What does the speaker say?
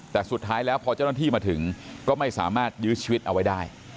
แต่สุดท้ายแล้วพอเจ้าหน้าที่มาถึงก็ไม่สามารถยื้อชีวิตเอาไว้ได้